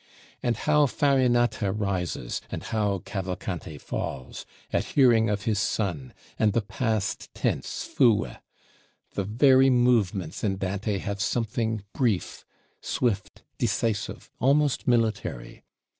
And how Farinata rises; and how Cavalcante falls at hearing of his Son, and the past tense "fue"! The very movements in Dante have something brief; swift, decisive, almost military.